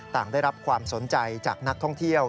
ต่างได้รับความสนใจจากนักท่องเที่ยว